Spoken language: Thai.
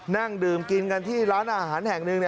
นั่งดื่มกินกันที่ร้านอาหารแห่งหนึ่ง